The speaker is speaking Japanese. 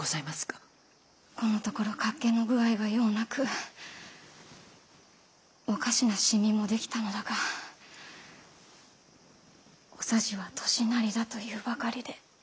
このところ脚気の具合がようなくおかしなシミもできたのだがお匙は「年なり」だと言うばかりで。